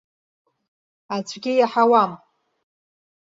Аӡәгьы иаҳауам.